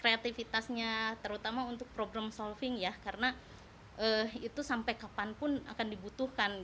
kreativitasnya terutama untuk program solving ya karena itu sampai kapanpun akan dibutuhkan